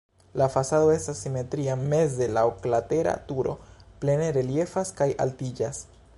La fasado estas simetria, meze la oklatera turo plene reliefas kaj altiĝas.